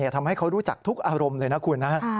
ทำให้เขารู้จักทุกอารมณ์เลยนะคุณนะ